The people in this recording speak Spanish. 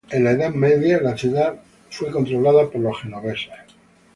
En la Edad Media la ciudad fue controlada por los genoveses.